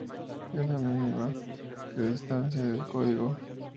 La mínima es la distancia del código.